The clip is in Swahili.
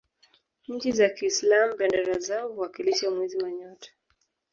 nchi za kiislam bendera zao huwakilisha mwezi na nyota